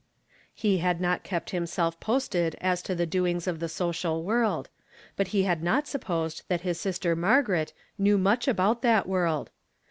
He had not kept himself posted as to the doings of tlie social world; but he had not supposed that his sister Margaret knew much about the world.